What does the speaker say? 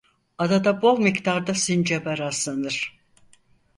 Adada bol miktarda sincaba rastlanır.